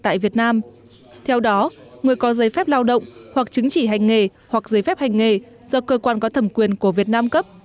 theo đó người có giấy phép lao động hoặc chứng chỉ hành nghề hoặc giấy phép hành nghề do cơ quan có thẩm quyền của việt nam cấp